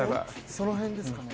その辺ですかね。